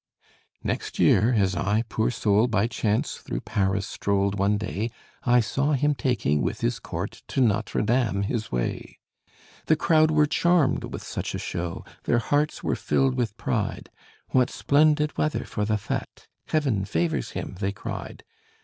"Next year, as I, poor soul, by chance Through Paris strolled one day, I saw him taking, with his court, To Notre Dame his way. The crowd were charmed with such a show; Their hearts were filled with pride: 'What splendid weather for the fête! Heaven favors him!' they cried.